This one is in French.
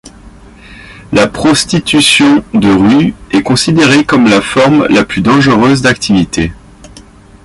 La prostitution de rue est considérée comme la forme la plus dangereuse d'activité.